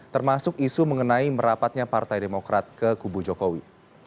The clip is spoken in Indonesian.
termasuk isu mengenai merapatnya partai demokrat ke kubu jokowi